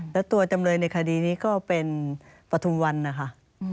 และตัวจำหน่วยในคดีนี้ก็เป็นปฑวันนะคะ